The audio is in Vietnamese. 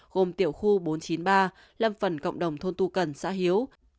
gồm tiểu khu bốn trăm chín mươi ba lâm phần cộng đồng thôn tu cần xã hiếu